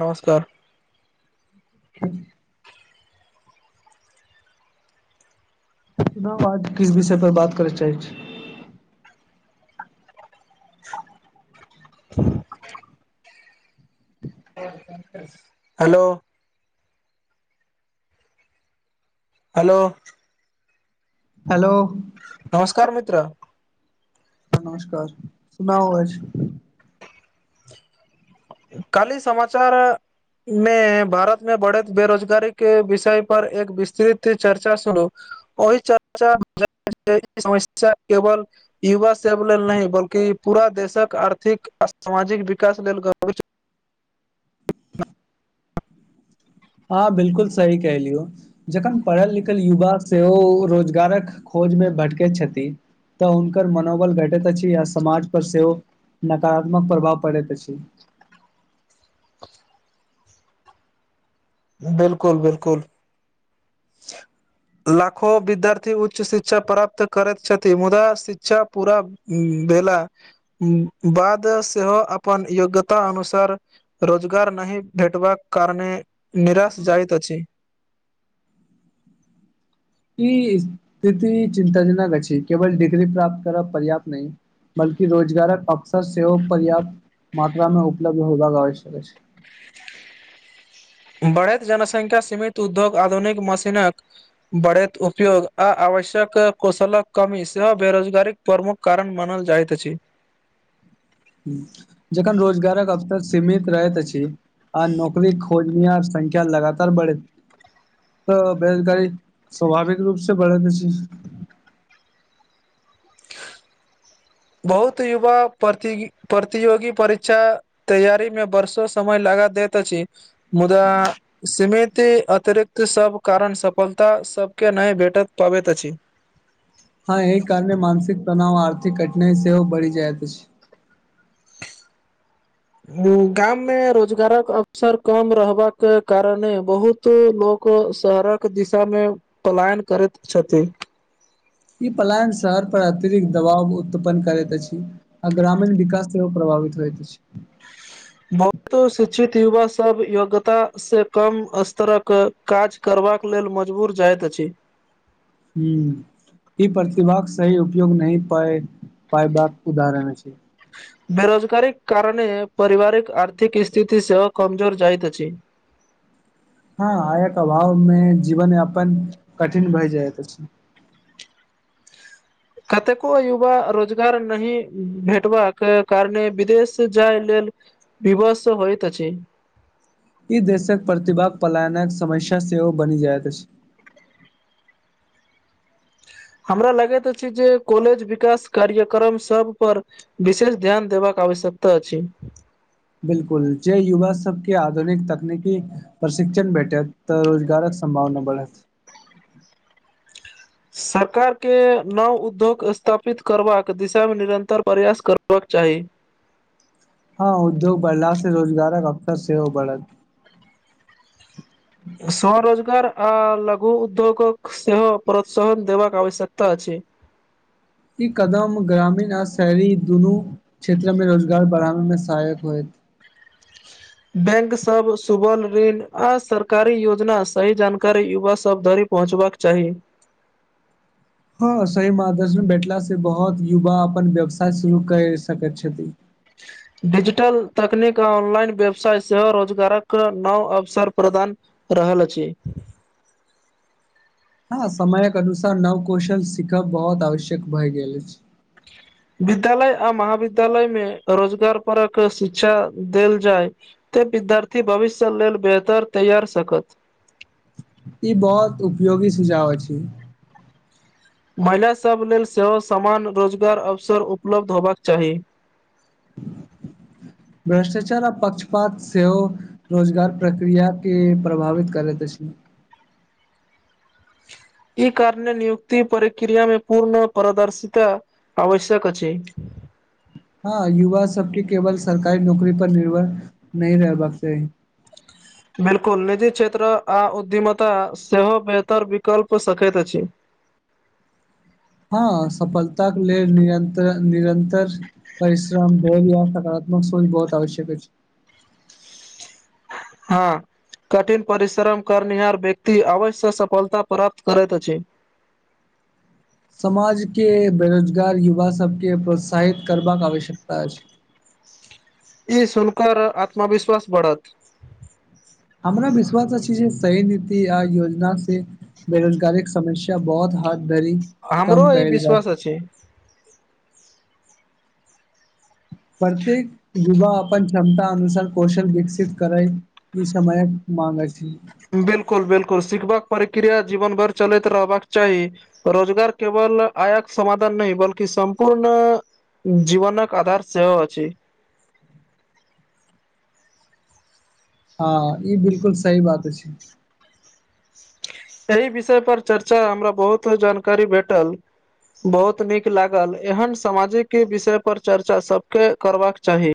नमस्कार [inaudible] [unintelligible] किस विषय पर बात करय चाहैय छी [inaudible] हलो हलो हेलो नमस्कार मित्र नमस्कार सुनाउ आज काल्हि समाचार अ मेंय भारत मे बढ़ैत बेरोजगारी के बिषय पर एक विस्तृत चर्चा सुनू ओहि चर्चा [unintelligible] समस्या केवल युवा सेव लेल नहि बल्कि पूरा देशक आर्थिक आ सामाजिक विकास लेल [unintelligible] हँ बिल्कुल सही कहलियो जखन पढ़ल लिखल युवा सेहो रोजगारक खोज मे भटकै छथि तऽ हुनकर मनोबल घटैत अछि आ समाज पर सेहो नकारात्मक प्रभाव पड़ैत अछि बिल्कुल बिल्कुल [inaudible] लाखो बिद्यार्थी उच्च शिक्षा प्राप्त करैत छथि मुदा शिक्षा पूरा ऊं भेला ऊं बाद सेहो अपन योग्यता अनुसार रोजगार नहि भेटबाक कारणे निराश जाइत अछि ई इस थिती चिन्ताजनक अछि केवल डिग्री प्राप्त करऽ पर्याप्त नहि बल्कि रोजगारक अवसर सेहो पर्याप्त मात्रामें उपलब्ध होबाके आवश्यक अछि [inaudible] बढ़ेैत जनसंख्या सीमित उद्योग आधुनिक मशीनक बढ़ैत उपयोग आ आवश्यक कोशलक कमी सेहो बेरोजगारीक प्रमुख कारण मानल जाइत अछि हूं जखन रोजगारक अवसर सीमित रहैत अछि आ नौकरी खोजनियार आ संख्या लगातार बढ़े तऽ बेरोजगारी स्वाभाविक रूप से बढ़ैत अछि बहुत युवा प्रतिगी प्रतियोगी परीक्षा तैयारी मे बरसो समय लगा दैत अछि मुदा सीमिती अतिरिक्त सब कारण सफलता सबके नहि भेटत पाबैत अछि हँय एहि कारणे मानसिक तनाव आर्थिक कठिनाई सेहो बढ़ि जायत अछि हूं गाममे रोजगारक अवसर कम रहबाके कारणे बहुत त लोको शहरक दिशा में पलायन करैत छथि ई पलायन शहर पर अतिरिक्त दबाव उत्पन्न करैत अछि आ ग्रामीण विकास सेहो प्रभावित होइत अछि [unintelligible] शिक्षित युवा सब योग्यता से कम स्तरक काज करबाक लेल मजबूर जाइत अछि हूं ई प्रतिभाक सही उपयोग नहि पाय पाएबाक उदाहरण अछि बेरोजगारीक कारणे पारिवारिक आर्थिक स्थिति सेहो कमजोर जाइत अछि हँ आयक अभाव मे जीवनयापन कठिन भए जाइत अछि कतेको युवा रोजगार नहि भेटबाक कारणे बिदेश जाय लेल बिबस होयत अछि ई देशक प्रतिभा पलायनक समस्या सेहो बनि जाइत अछि हमरा लगैत अछि जे कॉलेज विकास कार्यक्रम सभ पर बिशेष ध्यान देबाक आवश्यकता अछि बिल्कुल जे युवा सभके आधुनिक तकनीकी प्रशिक्षण भेटत तऽ रोजगारक सम्भावना बढ़त सरकारके नव उद्योग स्थापित करबाक दिशामे निरन्तर प्रयास करबाक चाही हँ उद्योग बढ़ला से रोजगारक अवसर सेहो बढ़त स्वरोजगार आ लघु उद्योगक सेहो प्रोत्साहन देबाक आवश्यकता अछि ई कदम ग्रामीण आ शहरी दुनू क्षेत्र मे रोजगार बढ़ाबे मे सहायक होयत बैंक सब सुबल ऋण आ सरकारी योजना सही जानकारी युवा सब धरि पहुँचबाक चाही हँ सही मार्ग दर्शन भेटला से बहुत युवा अपन व्यवसाय शुरू कैय सकैत छथि [unintelligible] डिजिटल तकनीक आ ऑनलाइन व्यवसाय सेहो रोजगारक नव अवसर प्रदान रहल अछि हँ समयक अनुसार नव कौशल सीखब बहोत आवश्यक भए गेल अछि [inaudible] विद्यालय आ महाविद्यालय मे रोजगार परक शिक्षा देल जाय ते विद्यार्थी भविष्य लेल बेहतर तैयार सकत ई बहोत उपयोगी सुझाव अछि महिलासभ लेल सेहो समान रोजगार अवसर उपलब्ध होबाक चाही [inaudible] भ्रष्टाचार आ पक्षपात सेहो रोजगार प्रक्रिया के प्रभावित करैत अछि ई कारणे नियुक्ति प्रक्रिया मे पूर्ण प्रदर्शिता आवश्यक अछि हँ युवा सबके केवल सरकारी नौकरी पर निर्भर नहि रहबाक चाहि बिल्कुल निजी क्षेत्र आ उद्यमिता सेहो बेहतर विकल्प सकैत अछि हँ सफलताके लेल निरन्त निरन्तर परिश्रम [unintelligible] ल या सकारात्मक सोच बहुत आवश्यक अछि हँ कठिन परिश्रम करनिहार व्यक्ति अवश्य सफलता प्राप्त करैत अछि समाजके बेरोजगार युवाभकेँ प्रोत्साहित करबाक आवश्यकता अछि ई सुुनकर आत्मविश्वास बढ़त हमरा विश्वास अछि जे सही नीति आ योजना से बेरोजगारीक समस्या बहुत हाथ धरि कम कयल जेत छै प्रत्येक युवा अपन क्षमता अनुसार कौशल विकसित करै ई समयक माँग अछि बिलकुल बिलकुल सिखबक प्रक्रिया जीवन भरि चलैत रहबाक चाही रोजगार केवल आयाक समाधान नहि बल्कि सम्पूर्ण जीवनक आधार सेहो अछि हँ ई बिलकुल सही बात अछि सहि विषय पर चर्चा हमरा बहुत जानकारी भेटल बहुत नीक लागल एहन सामाजिक विषय पर चर्चा सबके करबाक चाही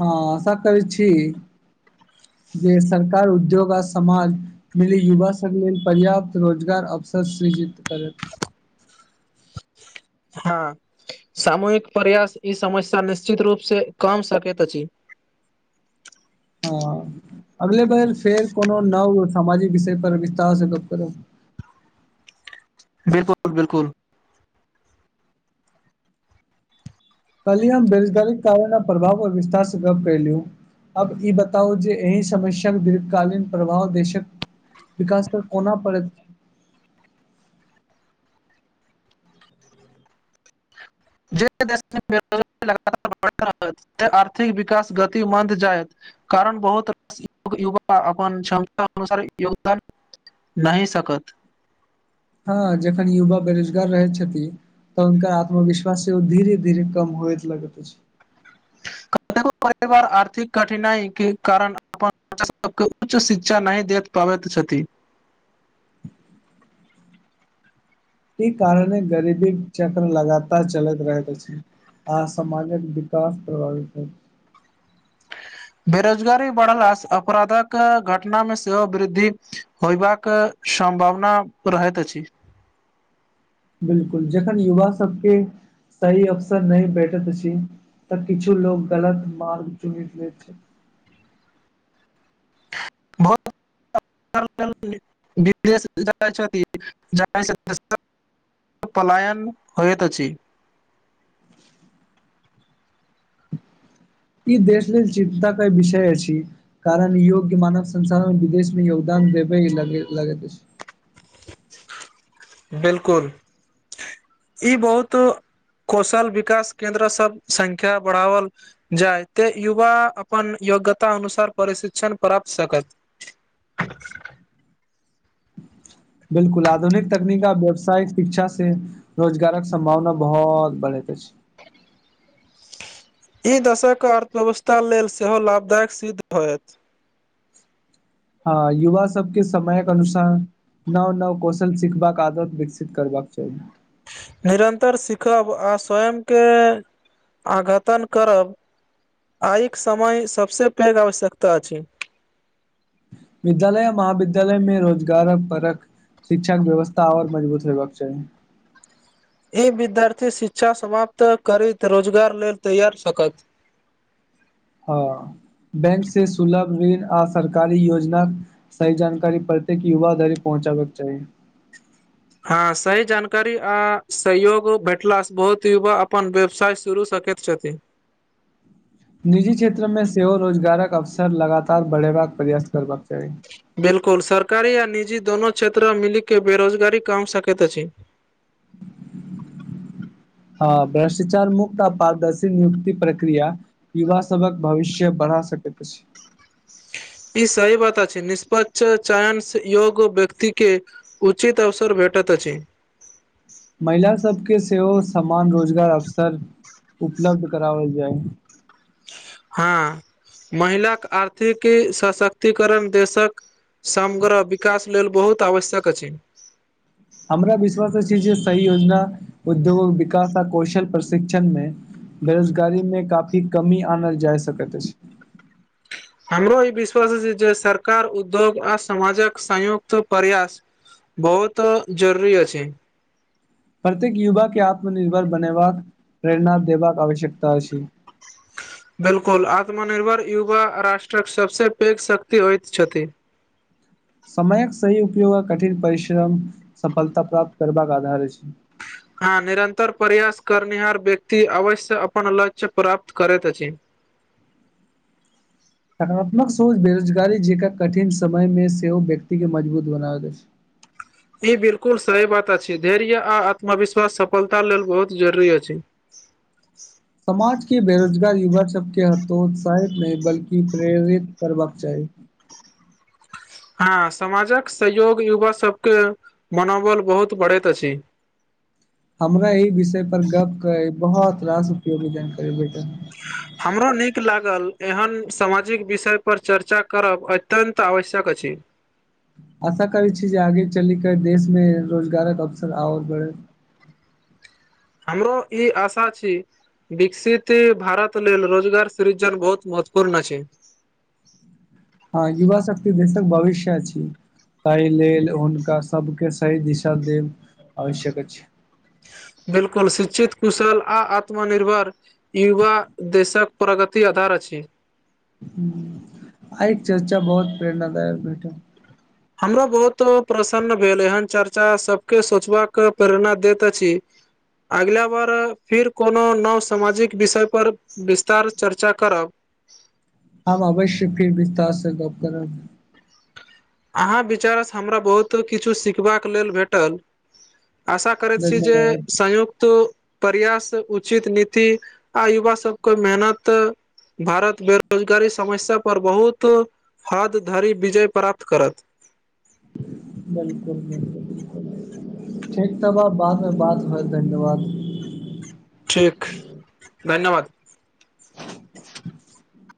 हँ आशा करै छी जे सरकार उद्योग आ समाज मिली युवा सब लेल पर्याप्त रोजगार अवसर सृजित करे हँ सामूहिक प्रयास ई समस्या निश्चित रूप से कम सकैत अछि हँ अगले बेर फेर कोनो नव सामाजिक विषय पर विस्तार से गप करब बिल्कुल बिल्कुल कहली हम बेरोजगारी कारण प्रभाव पर विस्तार सऽ गप कैलू अब ई बताउ जे एहि समस्याक दीर्घकालीन प्रभाव देशक विकास पर कोना पड़ैत [unintelligible] आर्थिक विकास गति मंद जायत कारण बहुत [unintelligible] युवा अपन क्षमता अनुसार योगदान नहि सकत हँ जखन युवा बेरोजगार रहै छथि तऽ हुनकर आत्मविश्वास सेहो धीरे धीरे कम होयत लगैत अछि क काई गो परिवार आर्थिक कठिनाई केँ कारण अपन बच्चा सब कऽ उच्च शिक्षा नहि देत पबईत छथी ई कारण गरीबी चक्र लगातार चलैत रहैत छैय आ समाजिक विकास कैरबाबैत [unintelligible] बेरोजगारी बढ़ला अपराधक घटना मे सेहो वृद्धि होयबाक सम्भावना रहैत अछि बिलकुल जेखन युवा सब केँ सही अवसर नहि बेठैत अछि तऽ किछु लोग गलत मार्ग चुनि ले छैय [inaudible] विदेश जा छथि [unintelligible] पलायन होइत अछि ई देश लेल चिन्ता कऽ विषय अछि कारण योग्य मानव संसाधन विदेश मे योगदान देबे लगै लगेत अछि बिलकुल ई बहुत कौशल विकास केंन्द्र सब संख्या बढ़ाबल जाय ते युवा अपन योग्यता अनुसार प्रशिक्षण प्राप्त सकत [inaudible] बिलकुल आधुनिक तकनीक आ व्यवसाय शिक्षा से रोजगारक सम्भावना बहोत बढ़ैत अछि ई दशक अर्थव्यवस्था लेल सेहो लाभदायक सिद्ध होयत हँ युवा सबके समयक अनुसार नव नव कौशल सिखबाक आदत विकसित करबाक चाही निरन्तर सीखब आ स्वयग केँ आघतन करब आइक समय सभसे पैघ आवश्यकता अछि विद्यालय आ महाविद्यालय मे रोजगारक परख शिक्षाके व्यवस्था और मजबूत होयबाक चाही एहि विद्यार्थी शिक्षा समाप्त करैत रोजगार लेल तैयार सकत हँ बैंक से सुलभ ऋण आ सरकारी योजना सही जानकारी प्रतेक युवाधरि पहुँचाबैके चाही हँ सही जानकारी आ सहयोग भेटला से बहुत युवा अपन व्यवसाय शुरु सकैत छथि निजी क्षेत्र मे सेहो रोजगारक अवसर लगातार बढ़ेबाक प्रयास करबाक चाही बिलकुल सरकारी आ निजी दोनो क्षेत्र मिलीकेँ बेरोजगारी कम सकैत अछि [inaudible] हँ भ्रष्टाचार मुक्त आ पारदर्शी नियुक्त्ति प्रक्रिया युवा सभक भविष्य बढ़ा सकैत अछि ई सही बात अछि निष्पक्ष चयन योग्य व्यक्ति केँ उचित अवसर भेटैत अछि महिला सभ केँ सेहो समान रोजगार अवसर उपलब्ध कराओल जाय हँ महिलाक आर्थिकी सशक्तिकरण देशक समग्र विकास लेल बहुत आवश्यक अछि। हमरा विश्वास अछि जे सही योजना उद्योग विकास आ कौशल प्रशिक्षण मे बेरोजगारी मे काफी कमी आनल जाय सकैत अछि। हमरो ई विश्वास अछि जे सरकार उद्योग आ समाजक संयुक्त प्रयास बहुत जरूरी अछि प्रत्येक युवा के आत्मनिर्भर बनेबाक प्रेरणा देबाक आवश्यकता अछि। बिल्कुल आत्मनिर्भर युवा राष्ट्रक सभसँ पैघ शक्ति होइत छथि। समयक सही उपयोग आ कठिन परिश्रम सफलता प्राप्त करबाक आधार अछि। हँ निरन्तर प्रयास करनिहार व्यक्ति अवश्य अपन लक्ष्य प्राप्त करैत अछि। सकारात्मक सोंच बेरोजगारी जेकाँ कठिन समयमे सेहो व्यक्तिके मजबूत बनाबैत अछि। ई बिलकुल सही बात अछि। धैर्य आ आत्मिश्वास सफलता लेल बहुत जरुरी अछि। समाजके बेरोजगार युवा सबके हतोत्साहित नहि बल्कि प्रेरित करबाक चाही। हँ समाजक सहयोग युवा सबके मनोबल बहुत बढ़ैत अछि। हमरा एहि विषय पर गप्प करि बहुत रास उपयोगी जानकारी भेटल। हमरो नीक लागल एहन सामाजिक विषयपर चर्चा करब अत्यन्त आवश्यक अछि। आशा करैत छी जे आगे चलि कऽ देशमे रोजगारक अवसर आओर बढ़ै। हमरो ई आशा छी। विकसित भारत लेल रोजगार सृजन बहुत महत्वपूर्ण अछि। हँ युवा शक्ति देशक भविष्य अछि। ताहि लेल हुनका सभके सही दिशा देब आवश्यक अछि। बिल्कुल शिक्षित कुशल आ आत्मनिर्भर युवा देशक प्रगति आधार अछि। हूंम्म आइके चर्चा बहुत प्रेरणाादायक भेटल। हमरो बहुत प्रसन्न भेल एहन चर्चा सबके सोचबाक प्रेरणा दैत अछि। अगिला बार फिर कोनो नव सामाजिक विषय पर विस्तार चर्चा करब। हम अवश्य फिर विस्तार सँ गप्प करब। अहाँ विचारसँ हमरा बहुत किछु सिखबाक लेल भेटल। आशा करैत छी जे धन्यवाद संयुक्त प्रयास उचित नीति आ युवा सबके मेहनत भारत बेरोजगारी समस्या पर बहुत हद धरि विजय प्राप्त करत। बिल्कुल- बिल्कुल- बिल्कुल ठीक तब आब बाद मे बात होयत धन्यवाद। ठीक धन्यवाद। [inaudible]